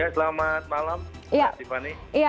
selamat malam pak tiffany